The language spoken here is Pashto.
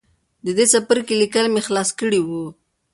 د دې څپرکي ليکل مې خلاص کړي وو